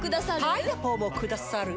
パイナポーもくださるぅ？